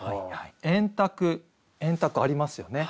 円卓円卓ありますよね。